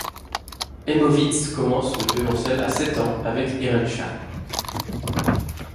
Haimovitz commence le violoncelle à sept ans avec Irene Sharp.